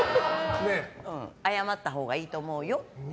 謝ったほうがいいと思うよって。